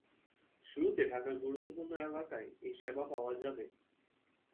শুরুতে ঢাকার গুরুত্বপূর্ণ এলাকায় এ সেবা পাওয়া যাবে।